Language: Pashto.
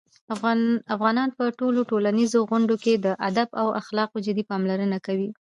افغانان په خپلو ټولنیزو غونډو کې د "ادب" او "اخلاقو" جدي پاملرنه کوي.